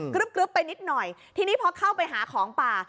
กรึ๊บไปนิดหน่อยทีนี้พอเข้าไปหาของป่า